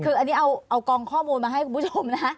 คืออันนี้เอากองข้อมูลมาให้คุณผู้ชมนะ